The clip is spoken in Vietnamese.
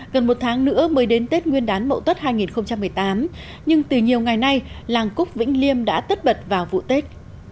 gần một tháng nữa mới đến tết nguyên đán mậu tuất hai nghìn một mươi tám nhưng từ nhiều ngày nay làng cúc vĩnh liêm đã tất bật vào vụ tết